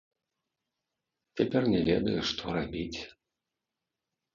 Цяпер не ведаю, што рабіць.